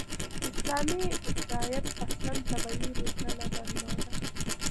اسلامي افراطیت اصلاً طبیعي ریښه نه درلوده.